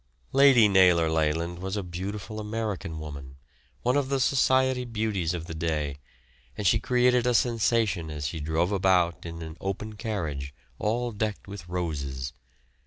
Lady Naylor Leyland was a beautiful American woman, one of the society beauties of the day, and she created a sensation as she drove about in an open carriage all decked with roses.